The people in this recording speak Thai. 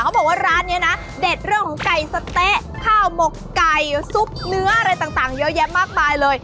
บอกว่าร้านนี้นะเด็ดเรื่องของไก่สะเต๊ะข้าวหมกไก่ซุปเนื้ออะไรต่างเยอะแยะมากมายเลย